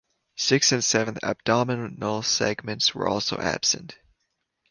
Sixth and seventh abdominal segments are also absent.